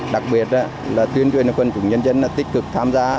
đặc biệt là tuyên truyền quân chủ nhân dân tích cực tham gia